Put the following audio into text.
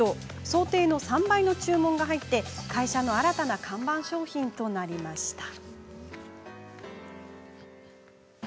想定の３倍の注文が入り、会社の新たな看板商品となりました。